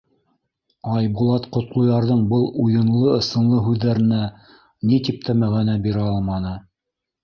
Айбулат Ҡотлоярҙың был уйынлы-ысынлы һүҙҙәренә ни тип тә мәғәнә бирә алманы.